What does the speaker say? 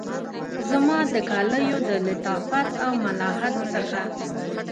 زما د کالیو د لطافت او ملاحت څخه